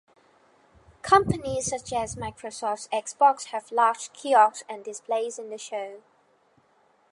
Companies such as Microsoft's Xbox have large kiosks and displays in the show.